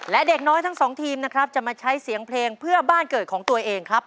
และเด็กน้อยทั้งสองทีมนะครับจะมาใช้เสียงเพลงเพื่อบ้านเกิดของตัวเองครับ